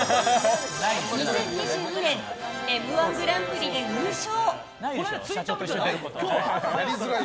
２０２２年「Ｍ‐１グランプリ」で優勝。